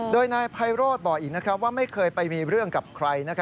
โดยนายไพโรธบอกอีกว่าไม่เคยไปมีเรื่องกับใคร